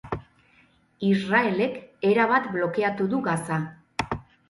Israelek erabat blokeatu du Gaza